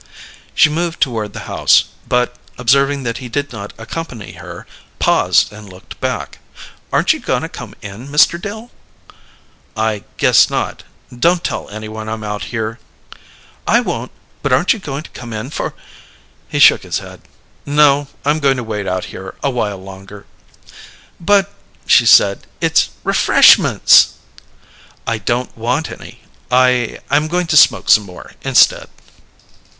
She moved toward the house, but, observing that he did not accompany her, paused and looked back. "Aren't you goin' to come in, Mr. Dill?" "I guess not. Don't tell any one I'm out here." "I won't. But aren't you goin' to come in for " He shook his head. "No, I'm going to wait out here a while longer." "But," she said, "it's refreshments!" "I don't want any. I I'm going to smoke some more, instead."